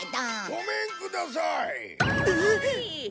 ごめんください！